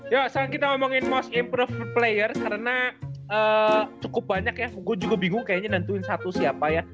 yuk sekarang kita omongin most improved player karena ee cukup banyak ya gue juga bingung kayaknya nantuin satu siapa ya